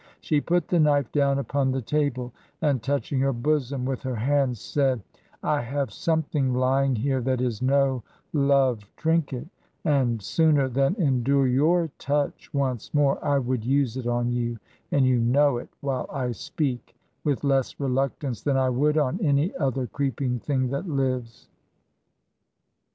She put the knife down upon the table, and, touching her bosom with her hand, said :' I have something lying here that is no love trinket; and sooner than endure your touch once more I would use it on you — ^and you know it, while I speak — ^with less reluctance than I would on any other creeping thing that lives.'